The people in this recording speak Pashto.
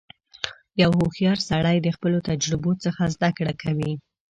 • یو هوښیار سړی د خپلو تجربو څخه زدهکړه کوي.